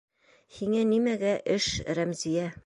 Һиңә нимәгә эш, Рәмзиә?